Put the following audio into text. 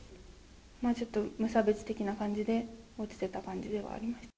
ちょっと無差別的な感じで落ちてた感じではありました。